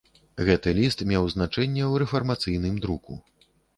Гэты ліст меў значэнне ў рэфармацыйным друку.